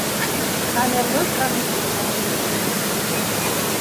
Камиллыҡ камиллыҡҡа ынтыла.